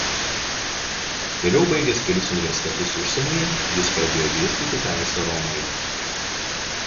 Vėliau baigęs kelis universitetus užsienyje jis pradėjo dėstyti teisę Romoje.